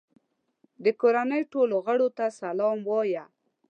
د کورنۍ ټولو غړو ته سلام ووایه.